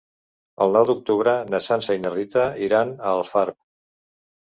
El nou d'octubre na Sança i na Rita iran a Alfarb.